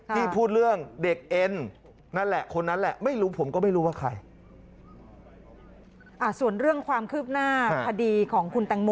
ที่พูดเรื่องเด็กเอ็น